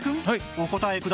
お答えください